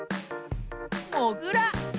もぐら。